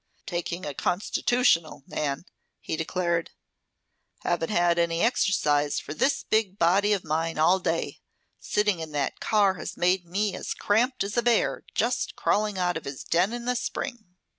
"Taking a constitutional, Nan," he declared. "Haven't had any exercise for this big body of mine all day. Sitting in that car has made me as cramped as a bear just crawling out of his den in the spring."